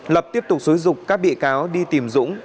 lập tiếp tục xúi dục các bị cáo đi tìm dũng